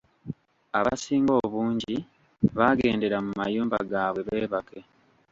Abasinga obungi baagendera mu mayumba gaabwe beebake.